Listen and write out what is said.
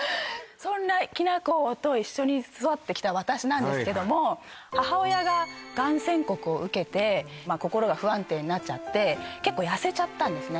そんなきな粉と一緒に育ってきた私なんですけども母親がガン宣告を受けて心が不安定になっちゃって結構痩せちゃったんですね